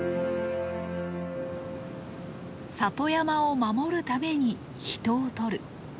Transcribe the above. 里山を守るために人を撮る。